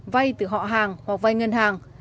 vay từ họ hàng hoặc vay ngân hàng